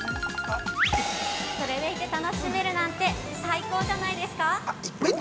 それでいて楽しめるなんて最高じゃないですか？